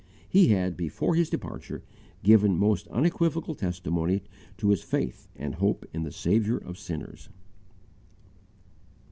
He had, before his departure, given most unequivocal testimony to his faith and hope in the Saviour of sinners.